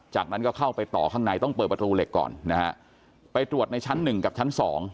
จากนั้นก็เข้าไปต่อข้างในต้องเปิดประตูเหล็กก่อนนะฮะไปตรวจในชั้นหนึ่งกับชั้นสอง